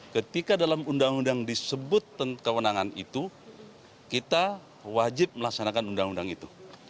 ketika dalam undang undang disebut kewenangan itu kita wajib melaksanakan undang undang itu